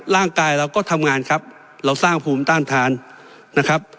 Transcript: ร่างกายเราก็ทำงานครับเราสร้างภูมิต้านทานนะครับ